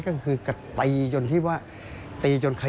คุณผู้ชมฟังเสียงเจ้าอาวาสกันหน่อยค่ะ